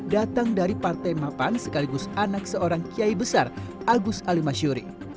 datang dari partai mapan sekaligus anak seorang kiai besar agus ali masyuri